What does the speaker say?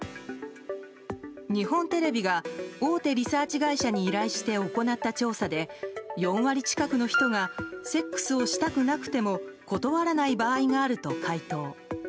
日本テレビが大手リサーチ会社に依頼して行った調査で４割近くの人がセックスをしたくなくても断らない場合があると回答。